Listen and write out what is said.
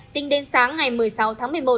tính đến sáng ngày một mươi sáu tháng một mươi một